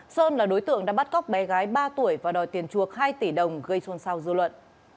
sơn là đối tượng đã bắt cóc bé gái ba tuổi và đòi tiền chuộc hai tỷ đồng gây xuân sao dư luận